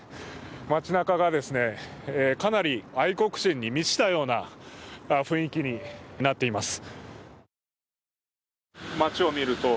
街なかが、かなり愛国心に満ちたような雰囲気になっています。